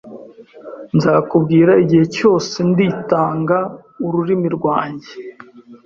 Nzabwira igihe cyose ndi tanga ururimi rwanjye